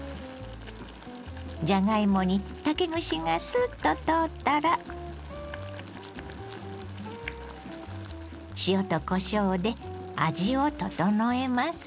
じゃがいもに竹串がすっと通ったら塩とこしょうで味を調えます。